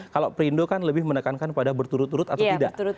kalau perindo kan lebih menekankan pada berturut turut atau tidak